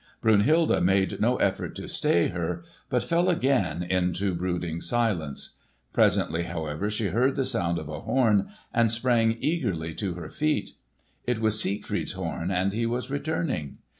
Brunhilde made no effort to stay her, but fell again into brooding silence. Presently, however, she heard the sound of a horn and sprang eagerly to her feet. It was Siegfried's horn and he was returning!